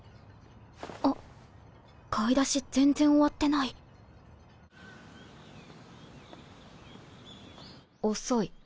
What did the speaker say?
あっ買い出し全然終わってない遅い。